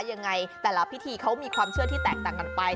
ยังไงแต่ละพิธีเขามีความเชื่อที่แตกต่างกันไป